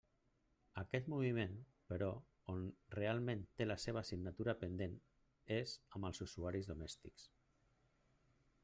Aquest moviment, però, on realment té la seva assignatura pendent és amb els usuaris domèstics.